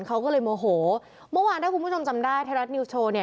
เขาก็เลยโมโหเมื่อวานถ้าคุณผู้ชมจำได้ไทยรัฐนิวสโชว์เนี่ย